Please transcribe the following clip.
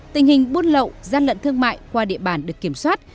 tình hình buôn lậu gian lận thương mại qua địa bàn được kiểm soát